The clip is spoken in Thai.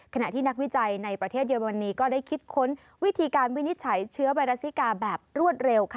ขณะที่นักวิจัยในประเทศเยอรมนีก็ได้คิดค้นวิธีการวินิจฉัยเชื้อไวรัสซิกาแบบรวดเร็วค่ะ